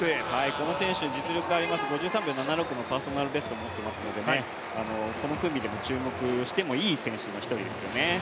この選手実力あります、５３秒７６のパーソナルベストを持っていますのでこの組でも注目していい選手の一人ですよね。